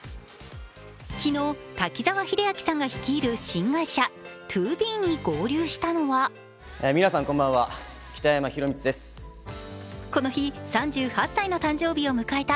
昨日、滝沢秀明さんが率いる新会社ＴＯＢＥに合流したのはこの日３８歳の誕生日を迎えた